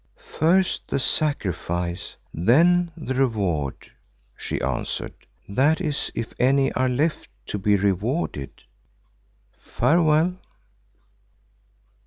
"First the sacrifice, then the reward," she answered, "that is if any are left to be rewarded. Farewell."